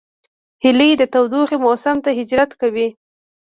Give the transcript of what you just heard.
هیلۍ د تودوخې موسم ته هجرت کوي